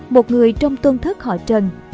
một người trong tôn thất họ trần